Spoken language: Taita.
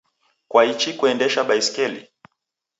Kwaichi kuenjesha baskili?